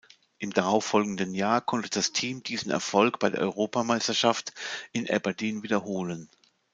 Im darauffolgenden Jahr konnte das Team diesen Erfolg bei der Europameisterschaft in Aberdeen wiederholen.